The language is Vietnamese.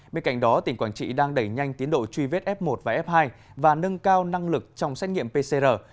bên cạnh đó tỉnh quảng trị đang đẩy nhanh tiến độ truy vết f một và f hai và nâng cao năng lực trong xét nghiệm pcr